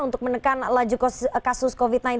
untuk menekan laju kasus covid sembilan belas